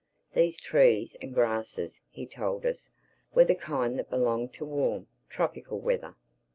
These trees and grasses, he told us, were the kind that belonged to warm, tropical weather.